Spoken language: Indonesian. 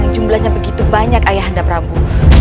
yang jumlahnya begitu banyak ayahanda prabu